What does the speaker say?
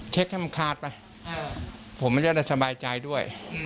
เช็คให้มันคาดไปผมจะได้สบายใจด้วย